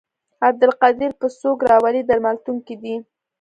عبدالقدیر به څوک راولي درملتون کې دی.